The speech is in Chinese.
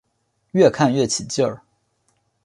越看越起劲